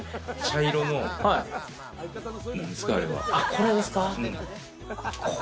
これですか？